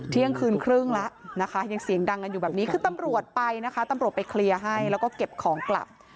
เที่ยงคืนครึ่งละยังเสียงดังอยู่แบบนี้คือตำรวจไปแล้วก็เก็บของกลับ